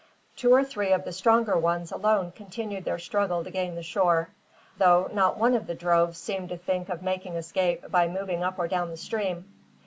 Two or three of the stronger ones alone continued their struggle to gain the shore, though not one of the drove seemed to think of making escape by moving up or down the stream.